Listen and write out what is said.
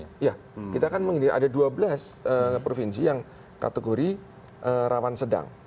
s satu iya kita kan mengingat ada dua belas provinsi yang kategori rawan sedang